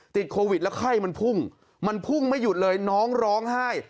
ติดโควิดแล้วไข้มันพุ่งมันพุ่งไม่หยุดเลยน้องร้องไห้